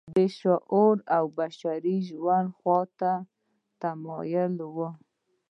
د شعوري او بشري ژوند خوا ته متمایله وه.